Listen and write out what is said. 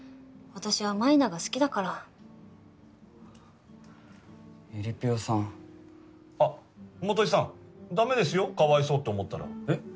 私は舞菜が好きだからえりぴよさんあっ基さんダメですよかわいそうって思ったらえっ？